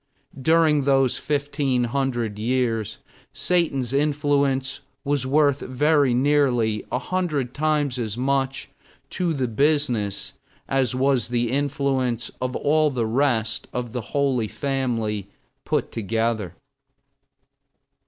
During those 1500 years, Satan's influence was worth very nearly a hundred times as much to the business as was the influence of all the rest of the Holy Family put together.